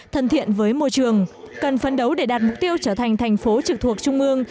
thân thiện với môi trường cần phấn đấu để đạt mục tiêu trở thành thành phố trực thuộc trung ương